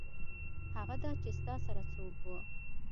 هغه دا چې ستا سره څوک وو.